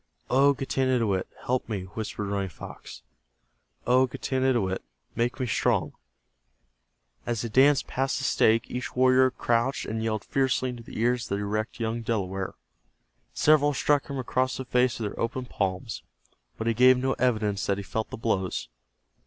"O Getanittowit, help me," whispered Running Fox. "O Getanittowit, make me strong." As they danced past the stake each warrior crouched and yelled fiercely into the ears of the erect young Delaware. Several struck him across the face with their open palms, but he gave no evidence that he felt the blows.